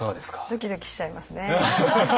ドキドキしちゃいますね。